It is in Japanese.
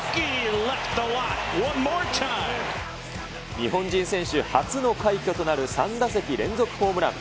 日本人選手初の快挙となる３打席連続ホームラン。